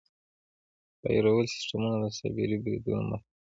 فایروال سیسټمونه د سایبري بریدونو مخه نیسي.